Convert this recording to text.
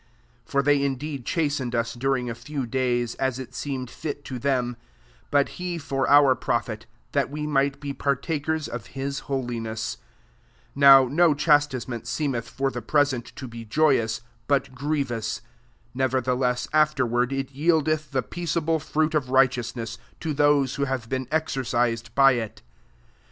10 For they indeed chastened ua during a few days, as it seemed Jit to them : but He for our profit, that we might be parukers of his holiness* 11 Now no chas tisement secmeth for the pre sent to be joyous, but grievous: nevertheless afterward it yield eth the peaceable fruit of righte ousness to those who have been exercised by it.